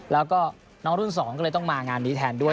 แล้วก็น้องรุ่น๒ก็เลยต้องมางานนี้แทนด้วย